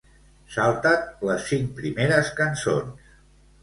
Salta't les cinc primeres cançons.